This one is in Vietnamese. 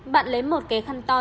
bạn lấy một cái khăn to